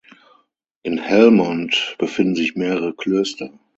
In Helmond befinden sich mehrere Klöster.